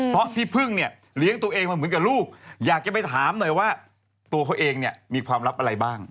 เพราะพี่พึ่งเนี่ยเลี้ยงตัวเองมาเหมือนกับลูกอยากจะไปถามหน่อยว่าตัวเขาเองเนี่ยมีความลับอะไรบ้าง